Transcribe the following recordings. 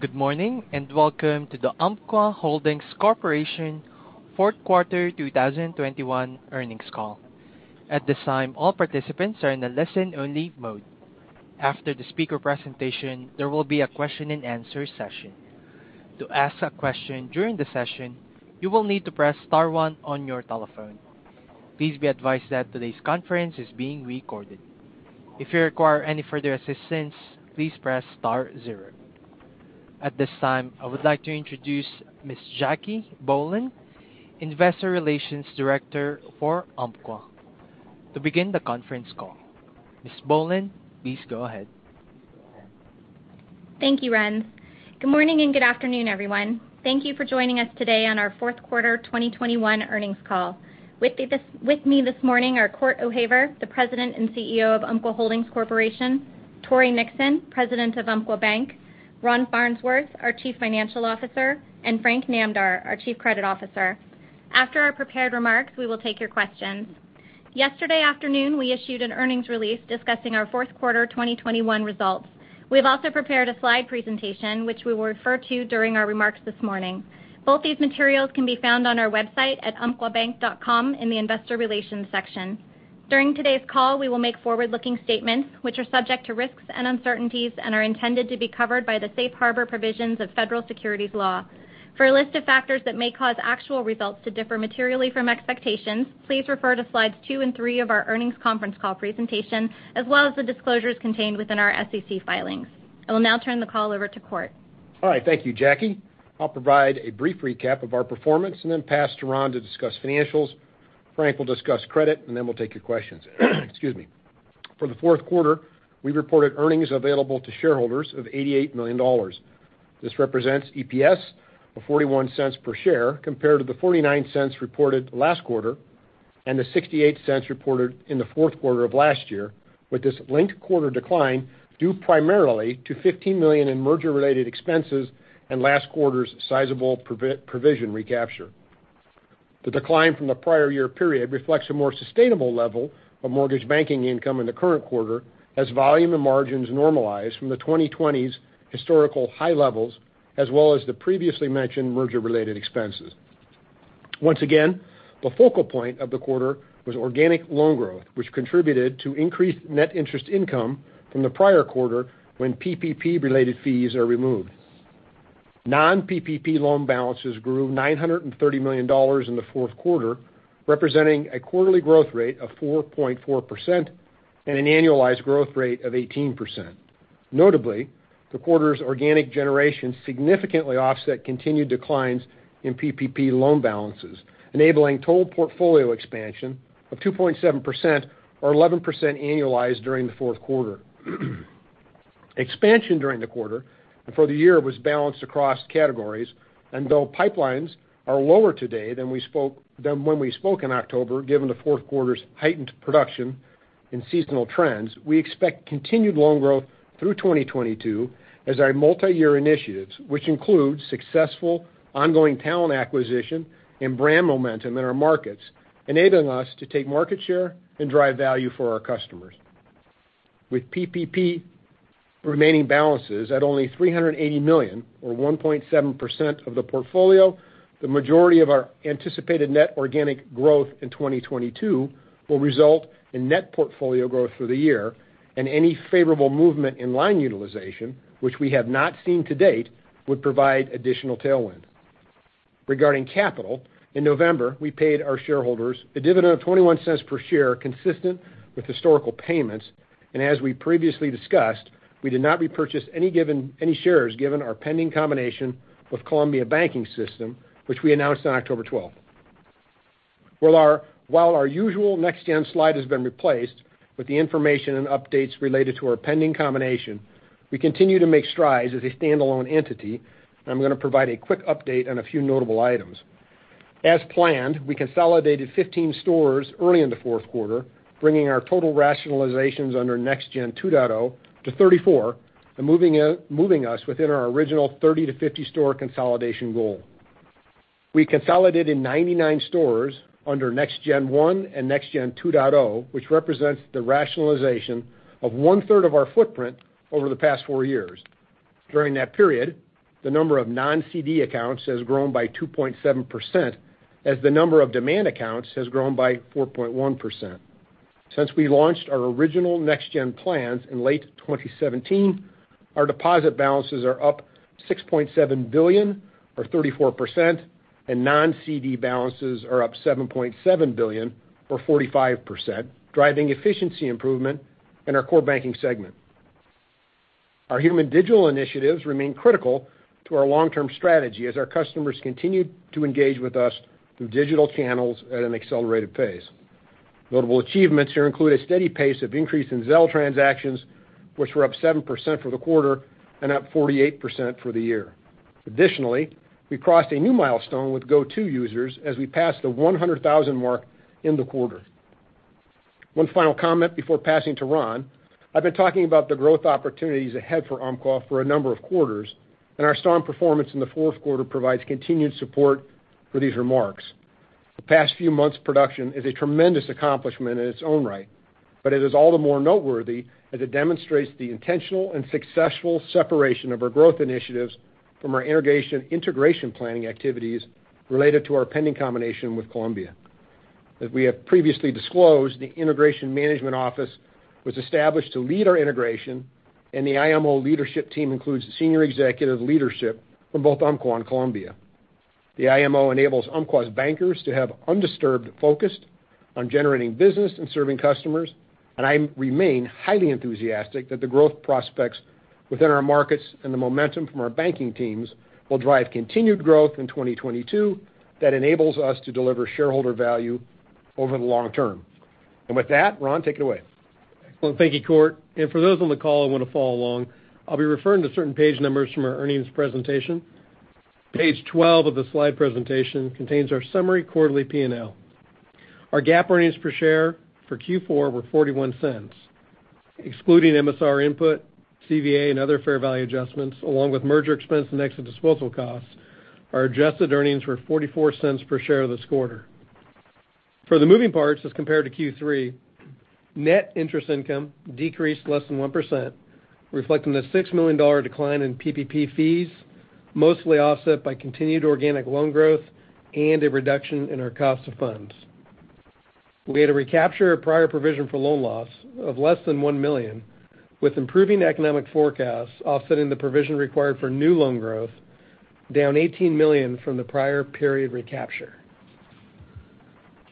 Good morning, and welcome to the Umpqua Holdings Corporation fourth quarter 2021 earnings call. At this time, all participants are in a listen-only mode. After the speaker presentation, there will be a question and answer session. To ask a question during the session, you will need to press star one on your telephone. Please be advised that today's conference is being recorded. If you require any further assistance, please press star zero. At this time, I would like to introduce Ms. Jacque Bohlen, Investor Relations Director for Umpqua, to begin the conference call. Ms. Bohlen, please go ahead. Thank you, Ren. Good morning and good afternoon, everyone. Thank you for joining us today on our fourth quarter 2021 earnings call. With me this morning are Cort O'Haver, the President and CEO of Umpqua Holdings Corporation, Tory Nixon, President of Umpqua Bank, Ron Farnsworth, our Chief Financial Officer, and Frank Namdar, our Chief Credit Officer. After our prepared remarks, we will take your questions. Yesterday afternoon, we issued an earnings release discussing our fourth quarter 2021 results. We've also prepared a slide presentation which we will refer to during our remarks this morning. Both these materials can be found on our website at umpquabank.com in the investor relations section. During today's call, we will make forward-looking statements which are subject to risks and uncertainties and are intended to be covered by the safe harbor provisions of federal securities law. For a list of factors that may cause actual results to differ materially from expectations, please refer to slides two and three of our earnings conference call presentation as well as the disclosures contained within our SEC filings. I will now turn the call over to Cort. All right. Thank you, Jacque. I'll provide a brief recap of our performance and then pass to Ron to discuss financials. Frank will discuss credit, and then we'll take your questions. Excuse me. For the fourth quarter, we reported earnings available to shareholders of $88 million. This represents EPS of $0.41 per share compared to the $0.49 reported last quarter and the $0.68 reported in the fourth quarter of last year, with this linked quarter decline due primarily to $15 million in merger-related expenses and last quarter's sizable provision recapture. The decline from the prior year period reflects a more sustainable level of mortgage banking income in the current quarter as volume and margins normalize from the 2020s historical high levels as well as the previously mentioned merger-related expenses. Once again, the focal point of the quarter was organic loan growth, which contributed to increased net interest income from the prior quarter when PPP related fees are removed. Non-PPP loan balances grew $930 million in the fourth quarter, representing a quarterly growth rate of 4.4% and an annualized growth rate of 18%. Notably, the quarter's organic generation significantly offset continued declines in PPP loan balances, enabling total portfolio expansion of 2.7% or 11% annualized during the fourth quarter. Expansion during the quarter and for the year was balanced across categories. Though pipelines are lower today than when we spoke in October, given the fourth quarter's heightened production and seasonal trends, we expect continued loan growth through 2022 as our multi-year initiatives, which include successful ongoing talent acquisition and brand momentum in our markets, enabling us to take market share and drive value for our customers. With PPP remaining balances at only $380 million or 1.7% of the portfolio, the majority of our anticipated net organic growth in 2022 will result in net portfolio growth for the year. Any favorable movement in line utilization, which we have not seen to date, would provide additional tailwind. Regarding capital, in November, we paid our shareholders a dividend of $0.21 per share, consistent with historical payments. As we previously discussed, we did not repurchase any shares given our pending combination with Columbia Banking System, which we announced on October 12. Well, while our usual Next Gen slide has been replaced with the information and updates related to our pending combination, we continue to make strides as a standalone entity. I'm going to provide a quick update on a few notable items. As planned, we consolidated 15 stores early in the fourth quarter, bringing our total rationalizations under Next Gen 2.0 to 34 and moving us within our original 30-50 store consolidation goal. We consolidated 99 stores under Next Gen 1 and Next Gen 2.0, which represents the rationalization of one-third of our footprint over the past four years. During that period, the number of non-CD accounts has grown by 2.7% as the number of demand accounts has grown by 4.1%. Since we launched our original Next Gen plans in late 2017, our deposit balances are up $6.7 billion or 34%, and non-CD balances are up $7.7 billion or 45%, driving efficiency improvement in our core banking segment. Our human digital initiatives remain critical to our long-term strategy as our customers continue to engage with us through digital channels at an accelerated pace. Notable achievements here include a steady pace of increase in Zelle transactions, which were up 7% for the quarter and up 48% for the year. Additionally, we crossed a new milestone with Go-To users as we passed the 100,000 mark in the quarter. One final comment before passing to Ron. I've been talking about the growth opportunities ahead for Umpqua for a number of quarters, and our strong performance in the fourth quarter provides continued support for these remarks. The past few months' production is a tremendous accomplishment in its own right, but it is all the more noteworthy as it demonstrates the intentional and successful separation of our growth initiatives from our integration planning activities related to our pending combination with Columbia. As we have previously disclosed, the Integration Management Office was established to lead our integration, and the IMO leadership team includes senior executive leadership from both Umpqua and Columbia. The IMO enables Umpqua's bankers to have undisturbed focus on generating business and serving customers, and I remain highly enthusiastic that the growth prospects within our markets and the momentum from our banking teams will drive continued growth in 2022 that enables us to deliver shareholder value over the long term. With that, Ron, take it away. Well, thank you, Cort. For those on the call who want to follow along, I'll be referring to certain page numbers from our earnings presentation. Page 12 of the slide presentation contains our summary quarterly P&L. Our GAAP earnings per share for Q4 were $0.41. Excluding MSR input, CVA, and other fair value adjustments, along with merger expense and exit disposal costs, our adjusted earnings were $0.44 per share this quarter. For the moving parts, as compared to Q3, net interest income decreased less than 1%, reflecting the $6 million decline in PPP fees, mostly offset by continued organic loan growth and a reduction in our cost of funds. We had to recapture a prior provision for loan loss of less than $1 million, with improving economic forecasts offsetting the provision required for new loan growth, down $18 million from the prior period recapture.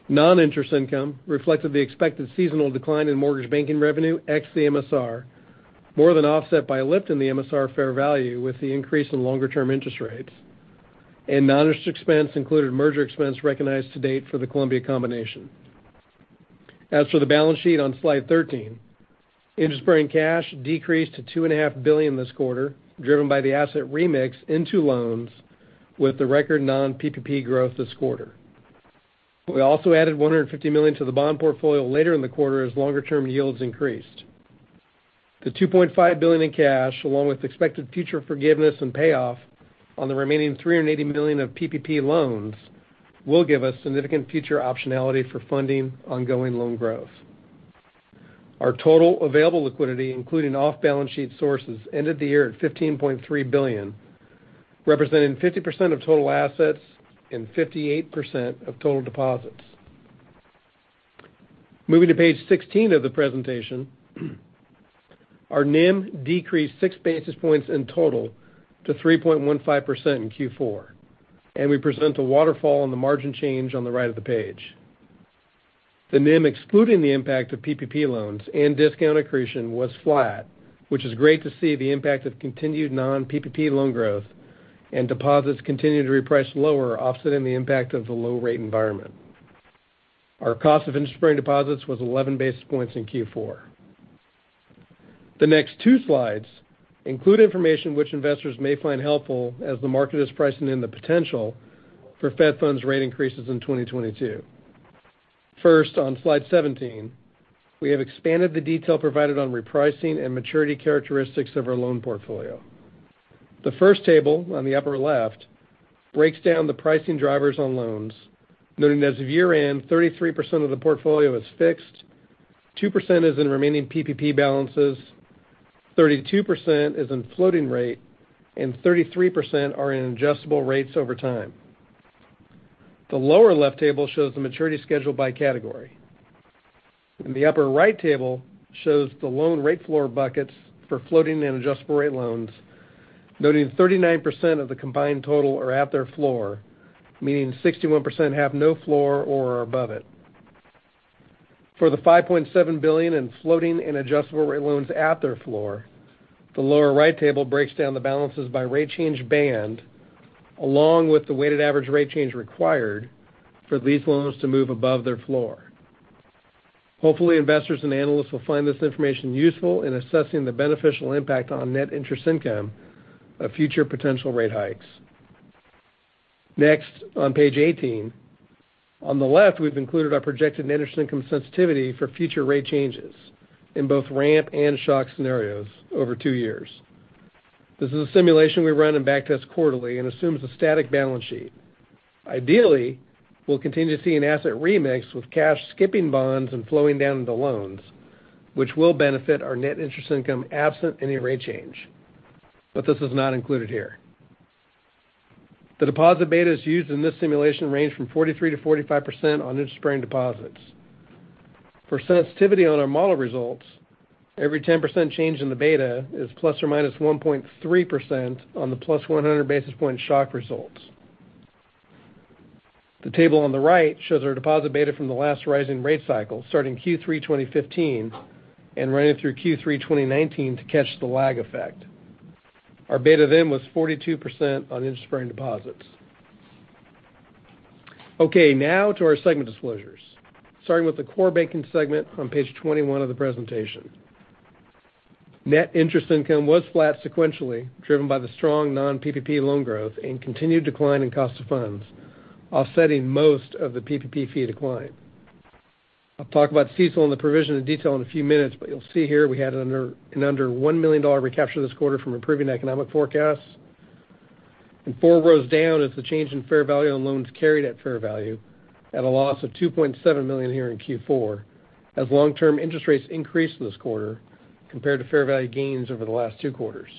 Non-interest income reflected the expected seasonal decline in mortgage banking revenue ex the MSR, more than offset by a lift in the MSR fair value with the increase in longer-term interest rates. Non-interest expense included merger expense recognized to date for the Columbia combination. As for the balance sheet on slide 13, interest-bearing cash decreased to $2.5 billion this quarter, driven by the asset remix into loans with the record non-PPP growth this quarter. We also added $150 million to the bond portfolio later in the quarter as longer-term yields increased. The $2.5 billion in cash, along with expected future forgiveness and payoff on the remaining $380 million of PPP loans, will give us significant future optionality for funding ongoing loan growth. Our total available liquidity, including off-balance sheet sources, ended the year at $15.3 billion, representing 50% of total assets and 58% of total deposits. Moving to page 16 of the presentation, our NIM decreased six basis points in total to 3.15% in Q4, and we present the waterfall on the margin change on the right of the page. The NIM, excluding the impact of PPP loans and discount accretion, was flat, which is great to see the impact of continued non-PPP loan growth and deposits continue to reprice lower, offsetting the impact of the low rate environment. Our cost of interest-bearing deposits was 11 basis points in Q4. The next two slides include information which investors may find helpful as the market is pricing in the potential for Fed funds rate increases in 2022. First, on slide 17, we have expanded the detail provided on repricing and maturity characteristics of our loan portfolio. The first table on the upper left breaks down the pricing drivers on loans, noting that as of year-end, 33% of the portfolio is fixed, 2% is in remaining PPP balances, 32% is in floating rate, and 33% are in adjustable rates over time. The lower left table shows the maturity schedule by category. The upper-right table shows the loan rate floor buckets for floating and adjustable rate loans, noting 39% of the combined total are at their floor, meaning 61% have no floor or are above it. For the $5.7 billion in floating and adjustable rate loans at their floor, the lower-right table breaks down the balances by rate change band, along with the weighted average rate change required for these loans to move above their floor. Hopefully, investors and analysts will find this information useful in assessing the beneficial impact on net interest income of future potential rate hikes. Next, on page 18. On the left, we've included our projected net interest income sensitivity for future rate changes, in both ramp and shock scenarios over two years. This is a simulation we run and backtest quarterly and assumes a static balance sheet. Ideally, we'll continue to see an asset remix with cash skipping bonds and flowing down into loans, which will benefit our net interest income absent any rate change. This is not included here. The deposit betas used in this simulation range from 43%-45% on interest-bearing deposits. For sensitivity on our model results, every 10% change in the beta is ±1.3% on the +100 basis point shock results. The table on the right shows our deposit beta from the last rising rate cycle, starting Q3 2015 and running through Q3 2019 to catch the lag effect. Our beta then was 42% on interest-bearing deposits. Okay, now to our segment disclosures, starting with the core banking segment on page 21 of the presentation. Net interest income was flat sequentially, driven by the strong non-PPP loan growth and continued decline in cost of funds, offsetting most of the PPP fee decline. I'll talk about CECL and the provision in detail in a few minutes, but you'll see here we had an under $1 million recapture this quarter from improving economic forecasts. Four rows down is the change in fair value on loans carried at fair value at a loss of $2.7 million here in Q4, as long-term interest rates increased this quarter compared to fair value gains over the last two quarters.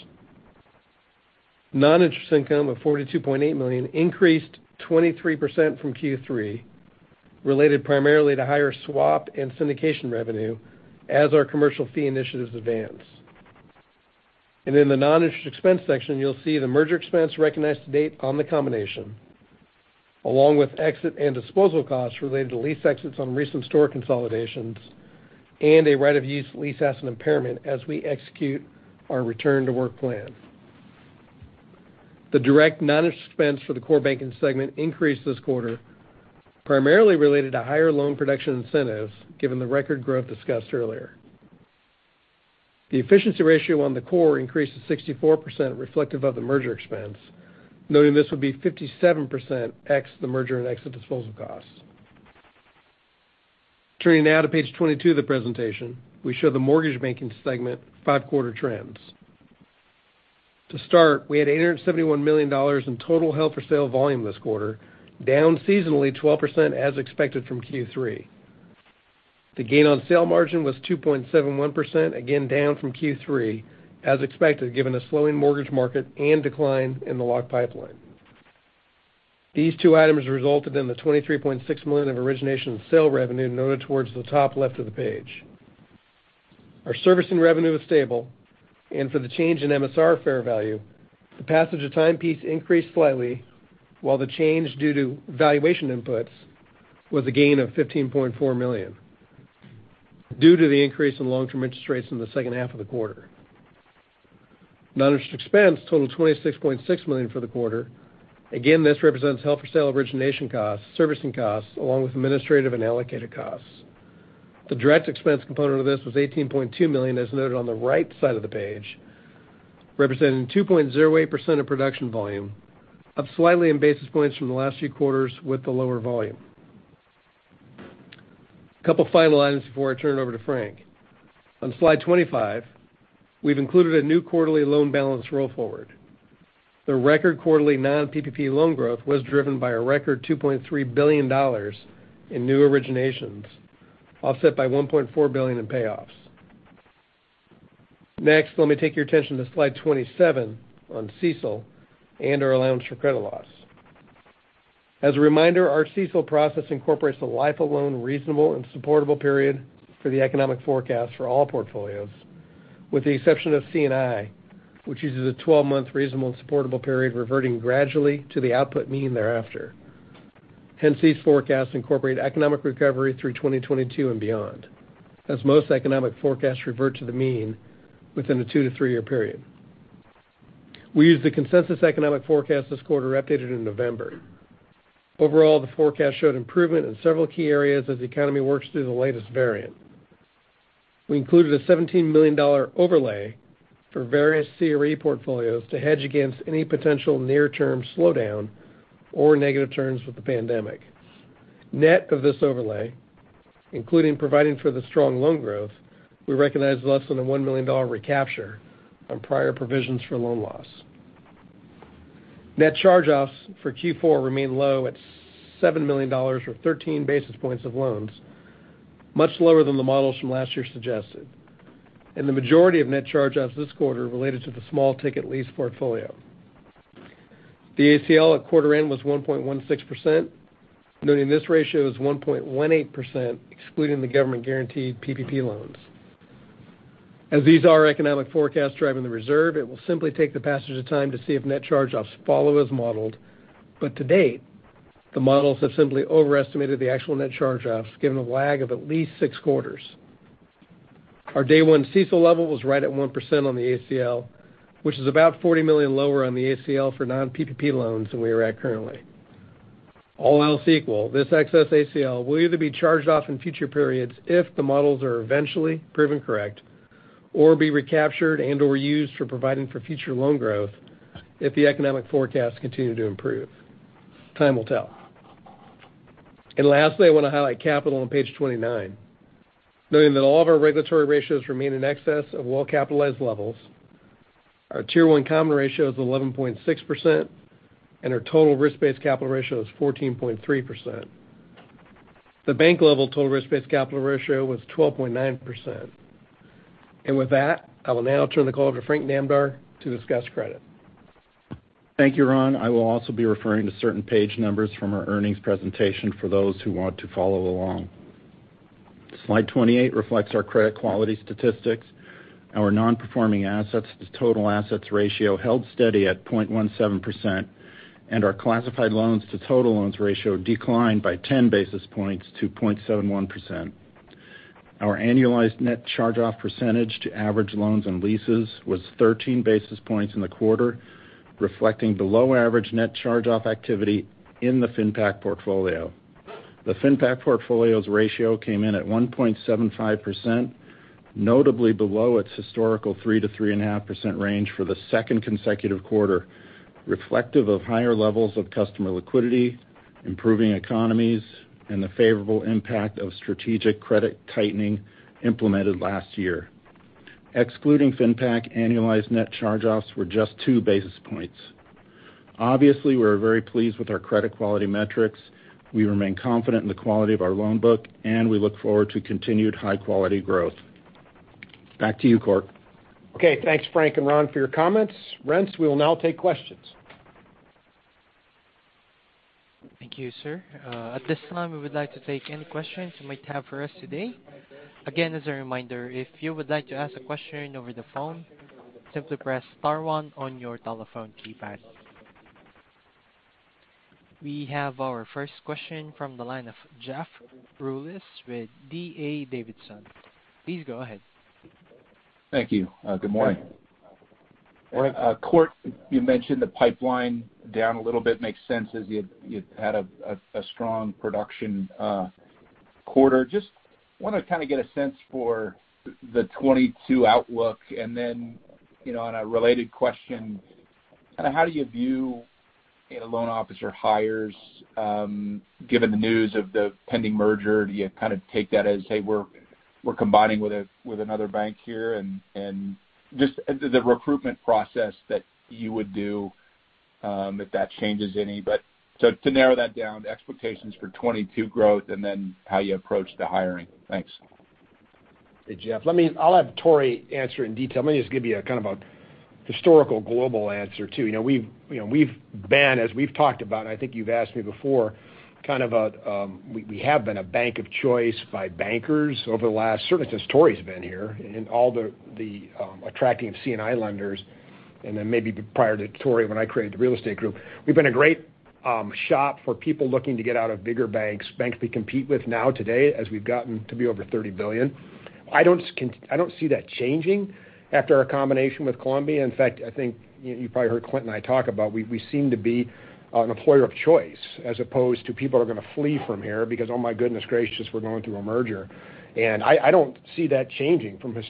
Non-interest income of $42.8 million increased 23% from Q3, related primarily to higher swap and syndication revenue as our commercial fee initiatives advance. In the non-interest expense section, you'll see the merger expense recognized to date on the combination, along with exit and disposal costs related to lease exits on recent store consolidations and a right-of-use lease asset impairment as we execute our return-to-work plan. The direct non-interest expense for the core banking segment increased this quarter, primarily related to higher loan production incentives, given the record growth discussed earlier. The efficiency ratio on the core increased to 64% reflective of the merger expense, noting this would be 57% ex the merger and exit disposal costs. Turning now to page 22 of the presentation, we show the mortgage banking segment five-quarter trends. To start, we had $871 million in total held-for-sale volume this quarter, down seasonally 12% as expected from Q3. The gain on sale margin was 2.71%, again down from Q3, as expected, given the slowing mortgage market and decline in the lock pipeline. These two items resulted in the $23.6 million of origination and sale revenue noted towards the top left of the page. Our servicing revenue was stable, and for the change in MSR fair value, the passage of time piece increased slightly, while the change due to valuation inputs was a gain of $15.4 million due to the increase in long-term interest rates in the second half of the quarter. Non-interest expense totaled $26.6 million for the quarter. Again, this represents held-for-sale origination costs, servicing costs, along with administrative and allocated costs. The direct expense component of this was $18.2 million as noted on the right side of the page, representing 2.08% of production volume, up slightly in basis points from the last few quarters with the lower volume. A couple final items before I turn it over to Frank. On slide 25, we've included a new quarterly loan balance roll forward. The record quarterly non-PPP loan growth was driven by a record $2.3 billion in new originations, offset by $1.4 billion in payoffs. Next, let me take your attention to slide 27 on CECL and our allowance for credit loss. As a reminder, our CECL process incorporates the life of loan reasonable and supportable period for the economic forecast for all portfolios, with the exception of C&I, which uses a 12-month reasonable and supportable period reverting gradually to the output mean thereafter. Hence, these forecasts incorporate economic recovery through 2022 and beyond, as most economic forecasts revert to the mean within a two to three year period. We used the consensus economic forecast this quarter updated in November. Overall, the forecast showed improvement in several key areas as the economy works through the latest variant. We included a $17 million overlay for various CRE portfolios to hedge against any potential near-term slowdown or negative turns with the pandemic. Net of this overlay, including providing for the strong loan growth, we recognized less than a $1 million recapture on prior provisions for loan loss. Net charge-offs for Q4 remain low at $7 million or 13 basis points of loans, much lower than the models from last year suggested, and the majority of net charge-offs this quarter related to the small-ticket lease portfolio. The ACL at quarter end was 1.16%, noting this ratio is 1.18% excluding the government-guaranteed PPP loans. As these are economic forecasts driving the reserve, it will simply take the passage of time to see if net charge-offs follow as modeled. To date, the models have simply overestimated the actual net charge-offs, given a lag of at least six quarters. Our day one CECL level was right at 1% on the ACL, which is about $40 million lower on the ACL for non-PPP loans than we are at currently. All else equal, this excess ACL will either be charged off in future periods if the models are eventually proven correct, or be recaptured and/or used for providing for future loan growth if the economic forecasts continue to improve. Time will tell. Lastly, I want to highlight capital on page 29, noting that all of our regulatory ratios remain in excess of well-capitalized levels. Our Tier 1 common ratio is 11.6%, and our total risk-based capital ratio is 14.3%. The bank-level total risk-based capital ratio was 12.9%. With that, I will now turn the call over to Frank Namdar to discuss credit. Thank you, Ron. I will also be referring to certain page numbers from our earnings presentation for those who want to follow along. Slide 28 reflects our credit quality statistics. Our non-performing assets-to-total-assets ratio held steady at 0.17%, and our classified loans to total loans ratio declined by 10 basis points to 0.71%. Our annualized net charge-off percentage to average loans and leases was 13 basis points in the quarter, reflecting below average net charge-off activity in the FinPac portfolio. The FinPac portfolio's ratio came in at 1.75%. Notably below its historical 3%-3.5% range for the second consecutive quarter, reflective of higher levels of customer liquidity, improving economies, and the favorable impact of strategic credit tightening implemented last year. Excluding FinPac, annualized net charge-offs were just two basis points. Obviously, we're very pleased with our credit quality metrics. We remain confident in the quality of our loan book, and we look forward to continued high-quality growth. Back to you, Cort. Okay. Thanks, Frank and Ron, for your comments. Rence, we will now take questions. Thank you, sir. At this time, we would like to take any questions you might have for us today. Again, as a reminder, if you would like to ask a question over the phone, simply press star one on your telephone keypad. We have our first question from the line of Jeff Rulis with D.A. Davidson. Please go ahead. Thank you. Good morning. Morning. Cort, you mentioned the pipeline down a little bit, makes sense as you've had a strong production quarter. Just wanna kind of get a sense for the 2022 outlook. Then, you know, on a related question, how do you view loan officer hires, given the news of the pending merger? Do you kind of take that as, hey, we're combining with another bank here and just the recruitment process that you would do, if that changes any. To narrow that down, the expectations for 2022 growth and then how you approach the hiring. Thanks. Hey, Jeff. Let me. I'll have Tory answer in detail. Let me just give you a kind of a historical global answer, too. You know, we've, you know, we've been, as we've talked about, I think you've asked me before, kind of a, we have been a bank of choice by bankers over the last, certainly since Tory's been here in all the attracting of C&I lenders. Then maybe prior to Tory, when I created the real estate group. We've been a great shop for people looking to get out of bigger banks, banks we compete with now today as we've gotten to be over $30 billion. I don't see that changing after our combination with Columbia. In fact, I think you probably heard Cort and I talk about we seem to be an employer of choice as opposed to people are gonna flee from here because, oh my goodness gracious, we're going through a merger. I don't see that changing from our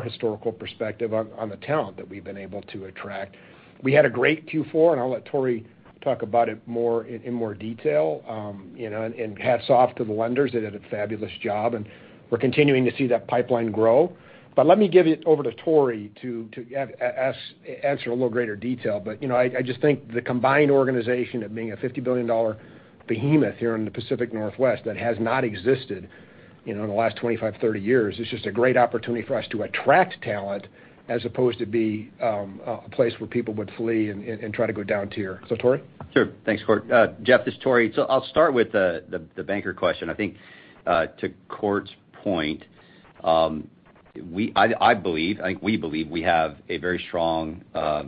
historical perspective on the talent that we've been able to attract. We had a great Q4, and I'll let Tory talk about it more in more detail. You know, hats off to the lenders. They did a fabulous job, and we're continuing to see that pipeline grow. Let me give it over to Tory to answer in a little greater detail. You know, I just think the combined organization of being a $50 billion behemoth here in the Pacific Northwest that has not existed, you know, in the last 25, 30 years is just a great opportunity for us to attract talent as opposed to be a place where people would flee and try to go down tier. So, Tory? Sure. Thanks, Cort. Jeff, this is Tory. I'll start with the banker question. I think, to Cort's point, we believe we have a very strong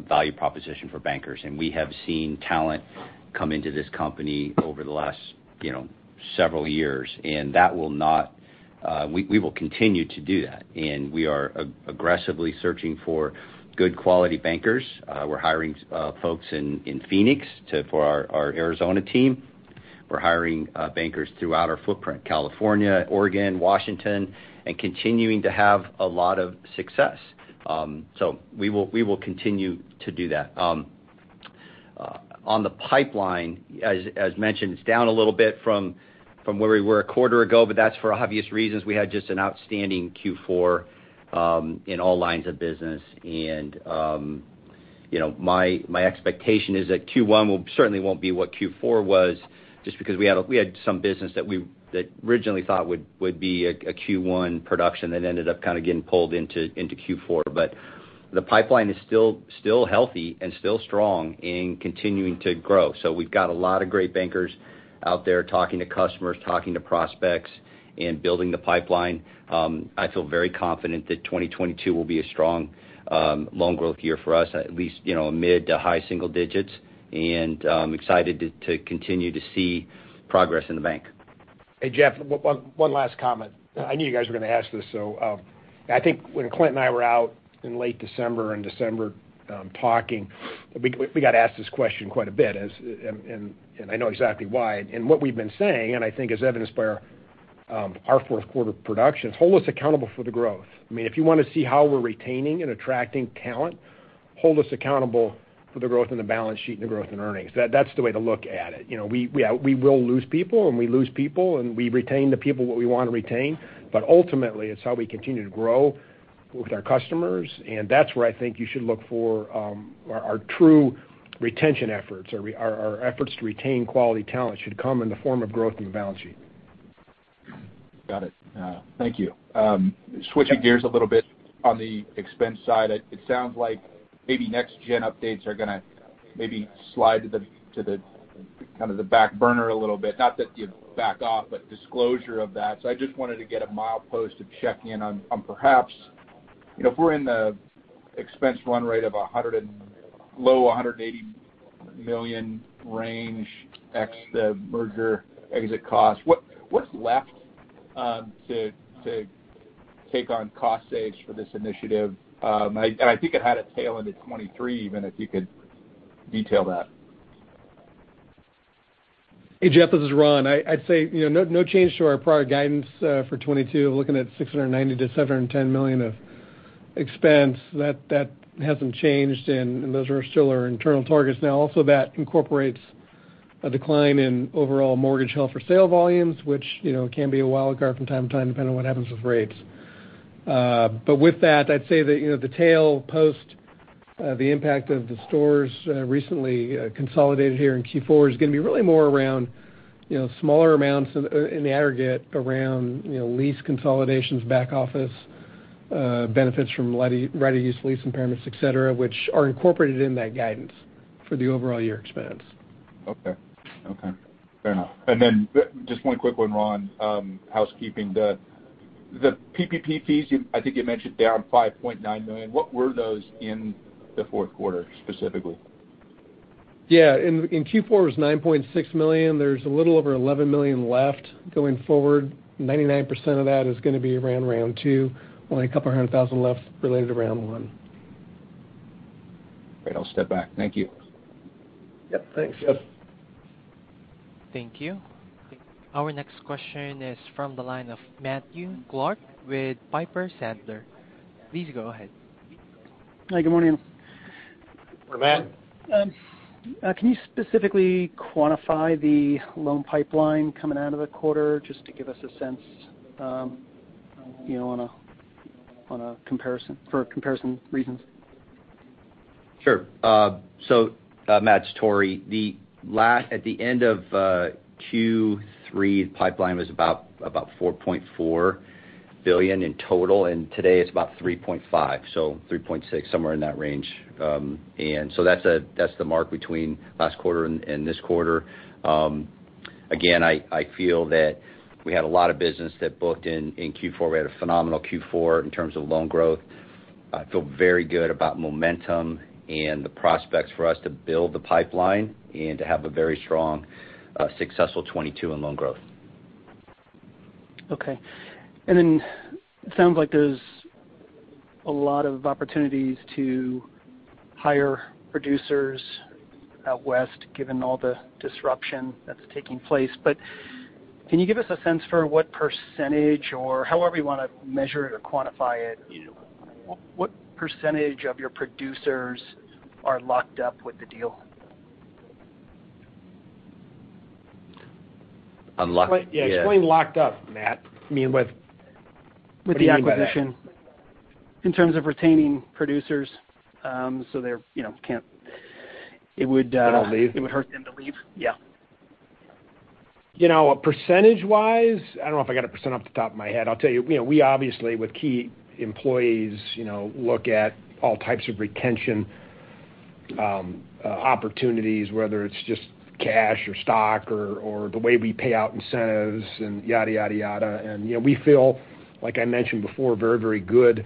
value proposition for bankers. We have seen talent come into this company over the last, you know, several years. That will not. We will continue to do that. We are aggressively searching for good quality bankers. We're hiring folks in Phoenix for our Arizona team. We're hiring bankers throughout our footprint, California, Oregon, Washington, and continuing to have a lot of success. So we will continue to do that. On the pipeline, as mentioned, it's down a little bit from where we were a quarter ago, but that's for obvious reasons. We had just an outstanding Q4 in all lines of business. You know, my expectation is that Q1 will certainly not be what Q4 was just because we had some business that we originally thought would be a Q1 production that ended up kind of getting pulled into Q4. The pipeline is still healthy and still strong and continuing to grow. We've got a lot of great bankers out there talking to customers, talking to prospects, and building the pipeline. I feel very confident that 2022 will be a strong loan growth year for us, at least, you know, mid to high single digits. I'm excited to continue to see progress in the bank. Hey, Jeff, one last comment. I knew you guys were gonna ask this. I think when Clint and I were out in late December talking, we got asked this question quite a bit, and I know exactly why. What we've been saying, and I think as evidenced by our fourth quarter results, hold us accountable for the growth. I mean, if you wanna see how we're retaining and attracting talent, hold us accountable for the growth in the balance sheet and the growth in earnings. That's the way to look at it. You know, we will lose people, and we lose people, and we retain the people what we want to retain. But ultimately, it's how we continue to grow with our customers. That's where I think you should look for our true retention efforts. Our efforts to retain quality talent should come in the form of growth in the balance sheet. Got it. Thank you. Switching gears a little bit on the expense side. It sounds like maybe Next Gen updates are gonna maybe slide to the kind of the back burner a little bit. Not that you'd back off, but disclosure of that. I just wanted to get a milepost of checking in on perhaps, you know, if we're in the expense run rate of $100 million-low $180 million range ex the merger exit cost, what's left to take on cost saves for this initiative? I think it had a tail into 2023, even if you could detail that. Hey, Jeff, this is Ron. I'd say, you know, no change to our prior guidance for 2022. We're looking at $690 million-$710 million of expense. That hasn't changed, and those are still our internal targets. Now, also that incorporates a decline in overall mortgage held for sale volumes, which, you know, can be a wild card from time to time, depending on what happens with rates. But with that, I'd say that, you know, the tail end of the impact of the stores recently consolidated here in Q4 is gonna be really more around, you know, smaller amounts in the aggregate around, you know, lease consolidations, back office benefits from right-of-use lease impairments, et cetera, which are incorporated in that guidance for the overall year expense. Okay. Fair enough. Then just one quick one, Ron, housekeeping. The PPP fees, I think you mentioned down $5.9 million. What were those in the fourth quarter specifically? Yeah. In Q4 it was $9.6 million. There's a little over $11 million left going forward. 99% of that is gonna be around round two, only a couple $100,000 left related to round one. Great. I'll step back. Thank you. Yep. Thanks. Yep. Thank you. Our next question is from the line of Matthew Clark with Piper Sandler. Please go ahead. Hi, good morning. Matt. Can you specifically quantify the loan pipeline coming out of the quarter just to give us a sense, you know, on a comparison for comparison reasons? Sure. Matt, it's Tory. At the end of Q3, the pipeline was about $4.4 billion in total, and today it's about $3.5 billion-$3.6 billion, somewhere in that range. That's the mark between last quarter and this quarter. Again, I feel that we had a lot of business that booked in Q4. We had a phenomenal Q4 in terms of loan growth. I feel very good about momentum and the prospects for us to build the pipeline and to have a very strong, successful 2022 in loan growth. Okay. It sounds like there's a lot of opportunities to hire producers out west given all the disruption that's taking place. Can you give us a sense for what percentage or however you wanna measure it or quantify it, what percentage of your producers are locked up with the deal? Unlocked? Yeah. Yeah, explain locked up, Matt. I mean, with With the acquisition What do you mean by that? In terms of retaining producers, so they're, you know, it would They don't leave? It would hurt them to leave. Yeah. You know, percentage-wise, I don't know if I got a percent off the top of my head. I'll tell you know, we obviously with key employees, you know, look at all types of retention, opportunities, whether it's just cash or stock or the way we pay out incentives and yada, yada. You know, we feel, like I mentioned before, very, very good,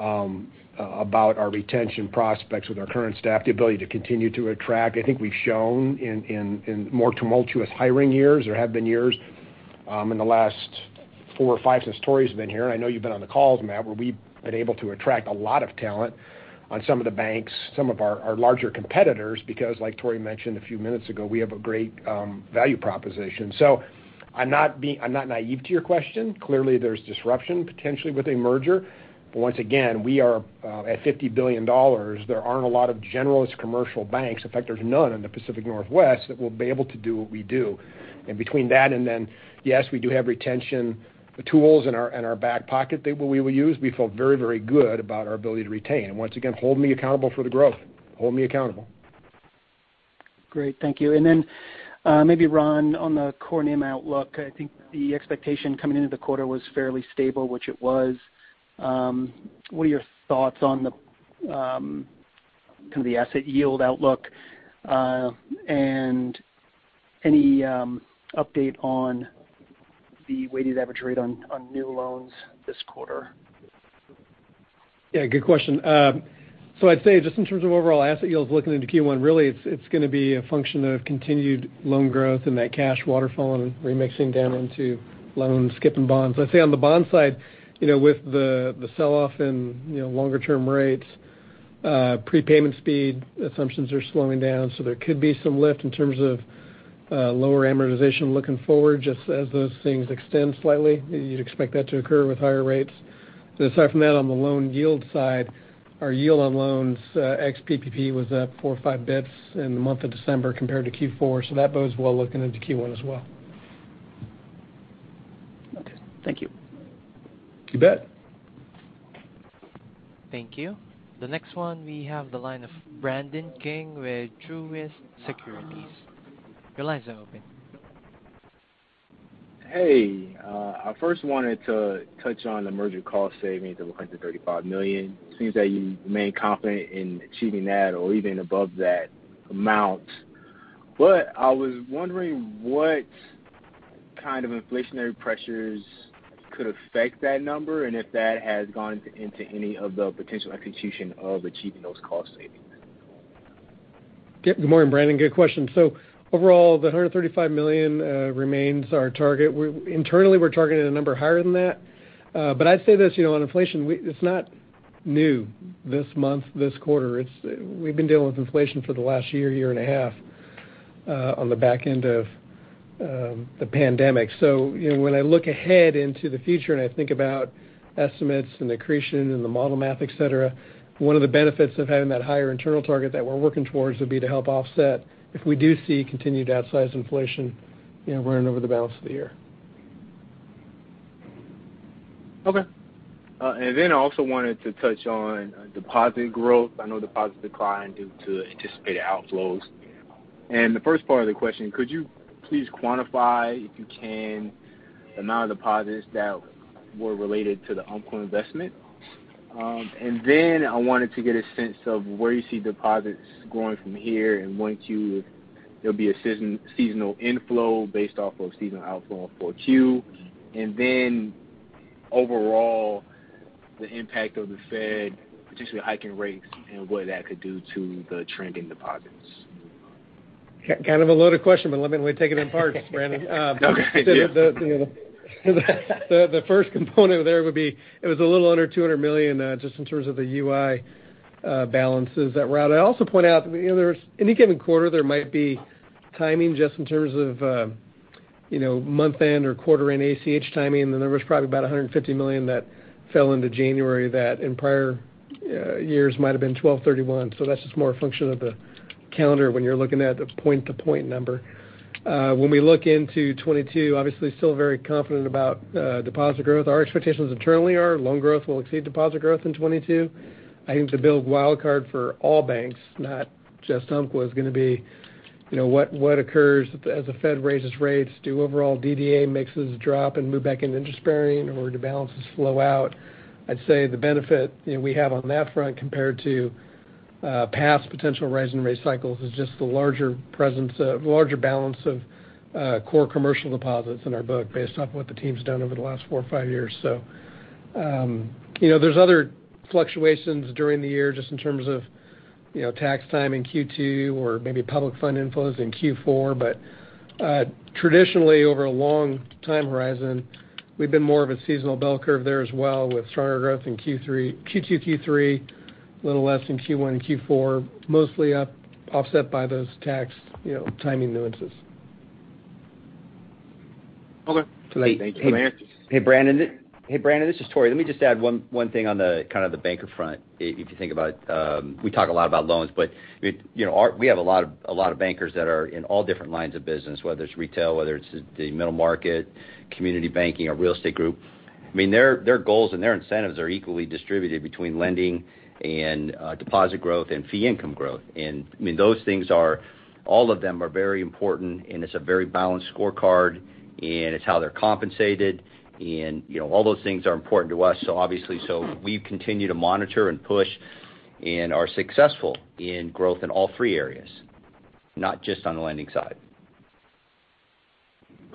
about our retention prospects with our current staff, the ability to continue to attract. I think we've shown in more tumultuous hiring years or have been years in the last four or five since Tory's been here, and I know you've been on the calls, Matt, where we've been able to attract a lot of talent on some of the banks, some of our larger competitors, because like Tory mentioned a few minutes ago, we have a great value proposition. I'm not naive to your question. Clearly, there's disruption potentially with a merger. Once again, we are at $50 billion. There aren't a lot of generalist commercial banks. In fact, there's none in the Pacific Northwest that will be able to do what we do. Between that and then, yes, we do have retention tools in our back pocket that we will use. We feel very, very good about our ability to retain. Once again, hold me accountable for the growth. Hold me accountable. Great. Thank you. Then, maybe Ron, on the core NIM outlook, I think the expectation coming into the quarter was fairly stable, which it was. What are your thoughts on the kind of the asset yield outlook, and any update on the weighted average rate on new loans this quarter? Yeah, good question. I'd say just in terms of overall asset yields looking into Q1, really it's gonna be a function of continued loan growth and that cash waterfall and remixing down into loans, securities, and bonds. I'd say on the bond side, you know, with the sell-off in longer term rates, prepayment speed assumptions are slowing down, so there could be some lift in terms of lower amortization looking forward, just as those things extend slightly. You'd expect that to occur with higher rates. Aside from that, on the loan yield side, our yield on loans ex PPP was up four or five basis points in the month of December compared to Q4, so that bodes well looking into Q1 as well. Okay. Thank you. You bet. Thank you. The next one, we have the line of Brandon King with Truist Securities. Your line is now open. Hey. I first wanted to touch on the merger cost savings of $135 million. Seems that you remain confident in achieving that or even above that amount. I was wondering what kind of inflationary pressures could affect that number and if that has gone into any of the potential execution of achieving those cost savings. Yep. Good morning, Brandon. Good question. Overall, the $135 million remains our target. Internally, we're targeting a number higher than that. But I'd say this, you know, on inflation, it's not new this month, this quarter. We've been dealing with inflation for the last year and a half on the back end of the pandemic. You know, when I look ahead into the future and I think about estimates and accretion and the model math, et cetera, one of the benefits of having that higher internal target that we're working towards would be to help offset if we do see continued outsized inflation, you know, running over the balance of the year. Okay. I also wanted to touch on deposit growth. I know deposits declined due to anticipated outflows. The first part of the question, could you please quantify, if you can, the amount of deposits that were related to the Umpqua investment? I wanted to get a sense of where you see deposits growing from here and when there'll be a seasonal inflow based off of seasonal outflow in four Q. Overall, the impact of the Fed potentially hiking rates and what that could do to the trending deposits. Kind of a loaded question, but let me take it in parts, Brandon. Okay. You know, the first component there would be it was a little under $200 million, just in terms of the UI balances that were out. I also point out, you know, any given quarter, there might be timing just in terms of, you know, month-end or quarter-end ACH timing. The number is probably about $150 million that fell into January that in prior years might have been 12/31. So that's just more a function of the calendar when you're looking at the point-to-point number. When we look into 2022, obviously still very confident about deposit growth. Our expectations internally are loan growth will exceed deposit growth in 2022. I think the big wild card for all banks, not just UMPQ, is gonna be, you know, what occurs as the Fed raises rates. Do overall DDA mixes drop and move back into interest-bearing or do balances flow out? I'd say the benefit, you know, we have on that front compared to past potential rise in rate cycles is just the larger balance of core commercial deposits in our book based off what the team's done over the last four or five years. You know, there's other fluctuations during the year just in terms of tax timing Q2 or maybe public fund inflows in Q4. But traditionally, over a long time horizon, we've been more of a seasonal bell curve there as well with stronger growth in Q2, Q3, a little less in Q1 and Q4, mostly offset by those tax, you know, timing nuances. Okay. Thank you for the answers. Hey, Brandon. Hey, Brandon, this is Tory. Let me just add one thing on the kind of the banker front. If you think about, we talk a lot about loans, but, you know, we have a lot of bankers that are in all different lines of business, whether it's retail, whether it's the middle market, community banking, our real estate group. I mean, their goals and their incentives are equally distributed between lending and deposit growth and fee income growth. I mean, those things are, all of them are very important, and it's a very balanced scorecard, and it's how they're compensated. You know, all those things are important to us, so obviously. We continue to monitor and push and are successful in growth in all three areas, not just on the lending side.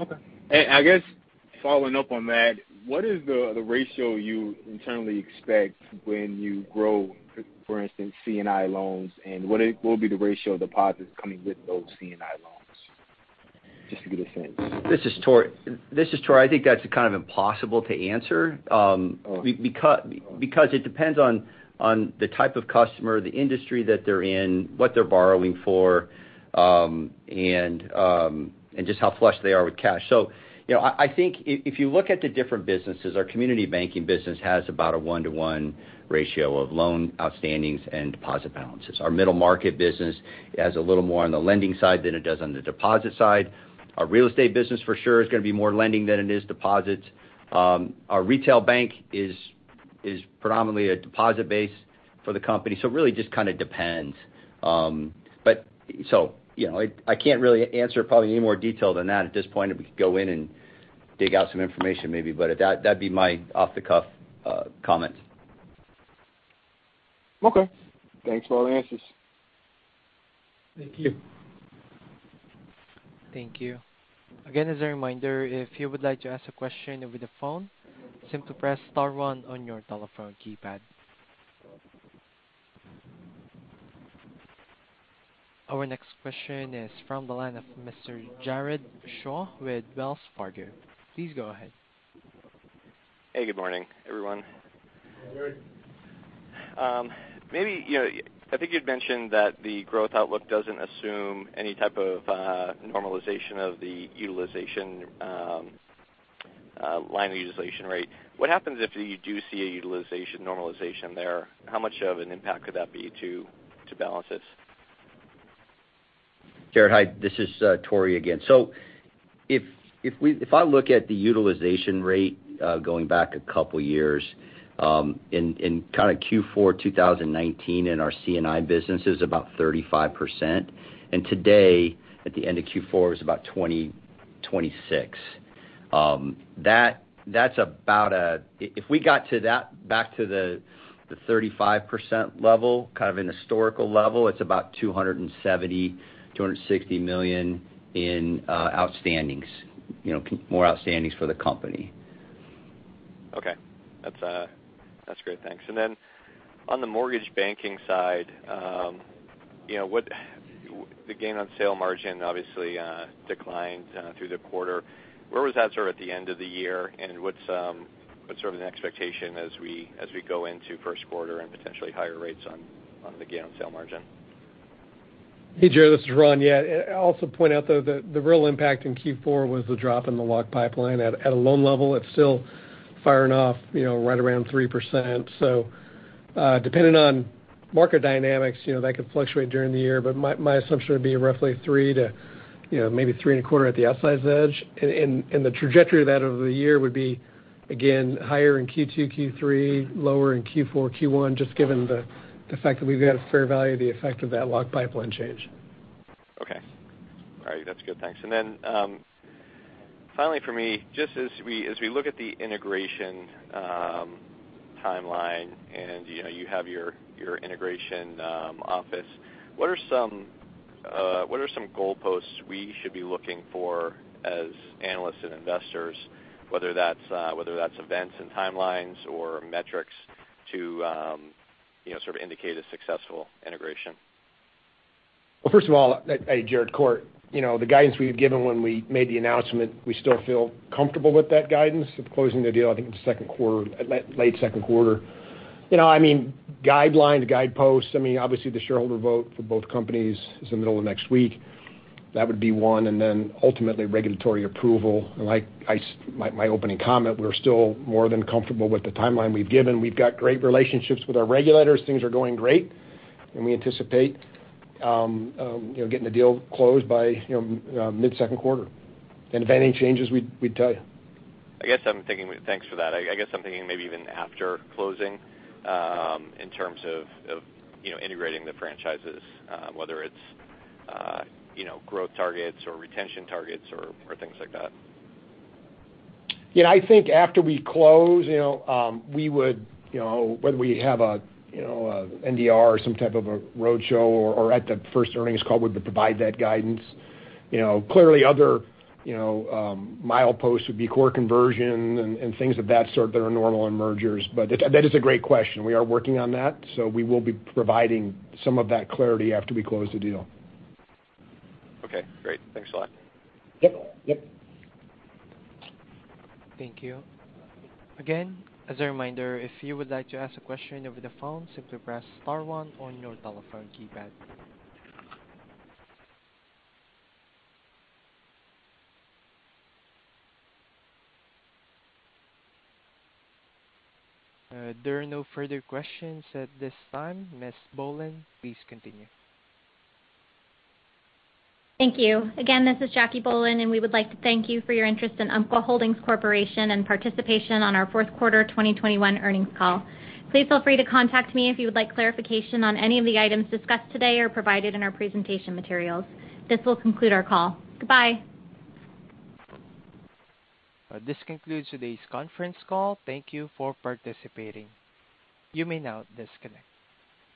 Okay. I guess following up on that, what is the ratio you internally expect when you grow, for instance, C&I loans, and what will be the ratio of deposits coming with those C&I loans? Just to get a sense. This is Tory. I think that's kind of impossible to answer, because it depends on the type of customer, the industry that they're in, what they're borrowing for, and just how flush they are with cash. You know, I think if you look at the different businesses, our community banking business has about a one-to-one ratio of loan outstandings and deposit balances. Our middle market business has a little more on the lending side than it does on the deposit side. Our real estate business for sure is gonna be more lending than it is deposits. Our retail bank is predominantly a deposit base for the company. It really just kind of depends. You know, I can't really answer probably any more detail than that at this point. We could go in and dig out some information maybe, but that'd be my off-the-cuff comment. Okay. Thanks for all the answers. Thank you. Thank you. Again, as a reminder, if you would like to ask a question over the phone, simply press star one on your telephone keypad. Our next question is from the line of Mr. Jared Shaw with Wells Fargo. Please go ahead. Hey, good morning, everyone. Good morning. Maybe, you know, I think you'd mentioned that the growth outlook doesn't assume any type of normalization of the line utilization rate. What happens if you do see a utilization normalization there? How much of an impact could that be to balances? Jared, hi. This is Tory again. If I look at the utilization rate going back a couple years in kind of Q4 2019 in our C&I business, it is about 35%. Today, at the end of Q4, it was about 26%. If we got back to the 35% level, kind of a historical level, it is about $260 million-$270 million in outstandings. You know, more outstandings for the company. Okay. That's great. Thanks. On the mortgage banking side, you know, the gain on sale margin obviously declined through the quarter. Where was that sort of at the end of the year? What's sort of an expectation as we go into first quarter and potentially higher rates on the gain on sale margin? Hey, Jared, this is Ron. Yeah. I also point out, though, that the real impact in Q4 was the drop in the lock pipeline. At a loan level, it's still firing off, you know, right around 3%. So, depending on market dynamics, you know, that could fluctuate during the year, but my assumption would be roughly 3% to, you know, maybe 3.25% at the outsized edge. The trajectory of that over the year would be, again, higher in Q2, Q3, lower in Q4, Q1, just given the fact that we've had a fair value of the effect of that lock pipeline change. Okay. All right. That's good. Thanks. Finally for me, just as we look at the integration timeline and, you know, you have your integration office, what are some goalposts we should be looking for as analysts and investors, whether that's events and timelines or metrics to, you know, sort of indicate a successful integration? Well, first of all, Jared. So, you know, the guidance we had given when we made the announcement, we still feel comfortable with that guidance of closing the deal, I think in the second quarter, late second quarter. You know, I mean, guidelines, guideposts, I mean, obviously, the shareholder vote for both companies is the middle of next week. That would be one. Then ultimately regulatory approval. Like I said, my opening comment, we're still more than comfortable with the timeline we've given. We've got great relationships with our regulators. Things are going great. We anticipate, you know, getting the deal closed by, you know, mid-second quarter. If any changes, we'd tell you. I guess I'm thinking. Thanks for that. I guess I'm thinking maybe even after closing, in terms of, you know, integrating the franchises, whether it's, you know, growth targets or retention targets or things like that. Yeah. I think after we close, you know, we would, you know, whether we have a, you know, a NDR or some type of a roadshow or at the first earnings call we would provide that guidance. You know, clearly other, you know, mileposts would be core conversion and things of that sort that are normal in mergers. That is a great question. We are working on that, so we will be providing some of that clarity after we close the deal. Okay, great. Thanks a lot. Yep. Yep. Thank you. Again, as a reminder, if you would like to ask a question over the phone, simply press star one on your telephone keypad. There are no further questions at this time. Ms. Bohlen, please continue. Thank you. Again, this is Jacque Bohlen, and we would like to thank you for your interest in Umpqua Holdings Corporation and participation on our fourth quarter 2021 earnings call. Please feel free to contact me if you would like clarification on any of the items discussed today or provided in our presentation materials. This will conclude our call. Goodbye. This concludes today's conference call. Thank you for participating. You may now disconnect.